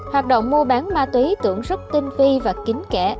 hoạt động mua bán ma túy tưởng rất tinh vi và kính kẽ